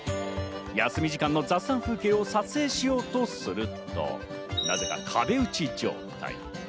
休み時間の雑談風景を撮影しようとするとなぜか壁打ち状態。